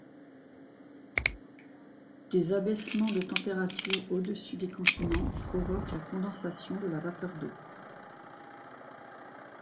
Des abaissements de température au-dessus des continents provoquent la condensation de la vapeur d’eau.